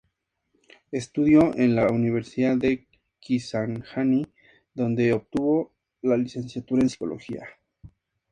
Estudió en la Universidad de Kisangani, donde obtuvo la licenciatura en Psicología.